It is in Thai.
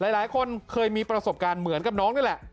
หลายคนเคยมีประสบการณ์เหมือนกับน้องนี่แหละ